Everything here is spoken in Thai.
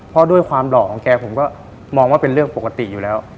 เพราะด้วยความหล่อของแกผมก็มองว่าเป็นเรื่องปกติอยู่แล้ว